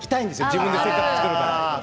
自分で作るから。